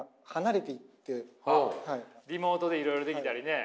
リモートでいろいろできたりね。